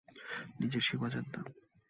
নিজের সীমা জানতাম।